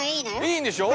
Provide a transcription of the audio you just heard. いいんでしょ？